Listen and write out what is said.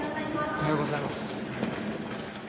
おはようございます。